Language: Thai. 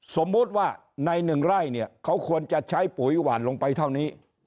สมมุติว่าในหนึ่งไร่เนี่ยเขาควรจะใช้ปุ๋ยหวานลงไปเท่านี้